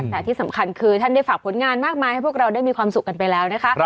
แต่ที่สำคัญคือท่านได้ฝากผลงานมากมายให้พวกเราได้มีความสุขกันไปแล้วนะคะ